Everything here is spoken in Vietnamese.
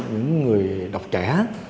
những người đọc trẻ